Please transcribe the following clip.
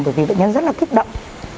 bởi vì bệnh nhân rất là kích động